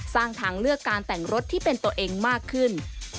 สร้างทางเลือกการแต่งรถที่เป็นตัวเองมากขึ้น